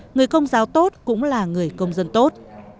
người công giáo tốt cũng là người công dân tốt